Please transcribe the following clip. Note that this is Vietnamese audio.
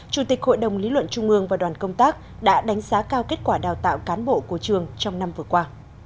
chủ tịch hội đồng lý luận trung ương và đoàn công tác đã đánh giá cao kết quả đào tạo cán bộ của trường trong năm vừa qua